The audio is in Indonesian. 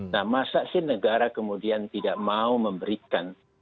nah masa sih negara kemudian tidak mau memberikan